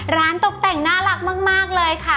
ตกแต่งน่ารักมากเลยค่ะ